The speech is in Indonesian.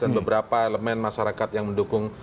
dan beberapa elemen masyarakat yang mendukung